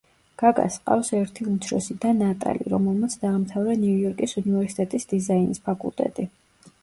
გაგას ჰყავს ერთი უმცროსი და ნატალი, რომელმაც დაამთავრა ნიუ-იორკის უნივერსიტეტის დიზაინის ფაკულტეტი.